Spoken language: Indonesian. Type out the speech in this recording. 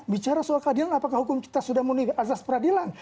bicara soal keadilan apakah hukum kita sudah memiliki asas peradilan